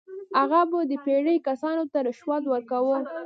هغه به د پیرې کسانو ته رشوت ورکاوه.